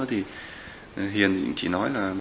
thì hiền chỉ nói là